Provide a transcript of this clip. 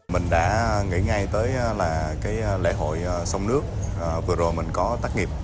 mình đã nghĩ ngay tới lễ hội sông nước vừa rồi mình có tắt nghiệp